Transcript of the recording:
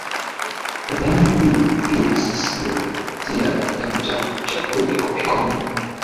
Dhana hiyo iliasisiwa kupitia kitabu chake cha blue Ecomomy